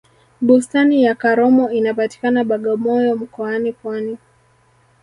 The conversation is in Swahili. bustani ya karomo inapatikana bagamoyo mkoani pwani